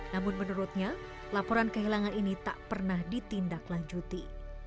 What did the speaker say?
namun menurutnya laporan kehilangan ini tak pernah ditindaklanjuti